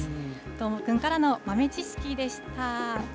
どーもくんからの豆知識でした。